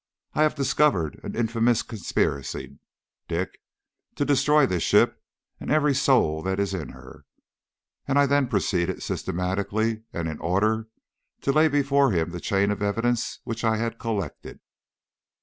I have discovered an infamous conspiracy, Dick, to destroy this ship and every soul that is in her;" and I then proceeded systematically, and in order, to lay before him the chain of evidence which I had collected.